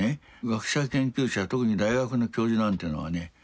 学者研究者特に大学の教授なんていうのはね